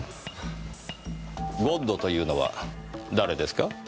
ゴッドというのは誰ですか？